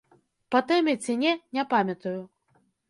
Па тэме ці не, не памятаю.